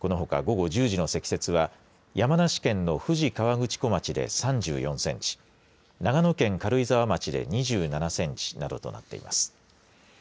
このほか午後１０時の積雪は山梨県の富士河口湖町で３４センチ長野県軽井沢町で２７センチなどとなっています。